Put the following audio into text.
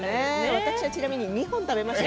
私は、ちなみに２本食べました。